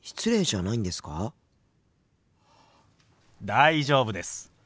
大丈夫です。